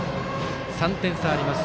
３点差あります。